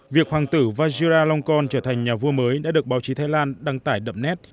việc hoàng tử vajiralongkorn trở thành nhà vua mới đã được báo chí thái lan đăng tải đậm nét